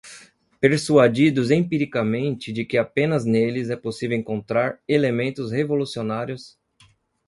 persuadidos empiricamente de que apenas neles é possível encontrar elementos revolucionários